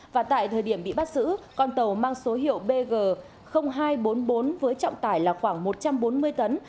và tại thời điểm bị bắt giữ con tàu mang số hiệu bg hai trăm bốn mươi bốn với trọng tải là khoảng một trăm bốn mươi tấn